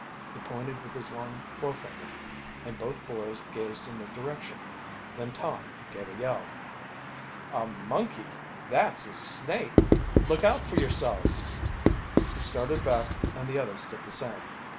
He pointed with his long forefinger, and both, boys gazed in the direction. Then Tom gave a yell. "A monkey? That's a snake! Look out for yourselves!" He started back and the others did the same.